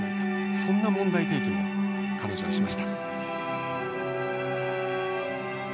そんな問題提起も彼女はしました。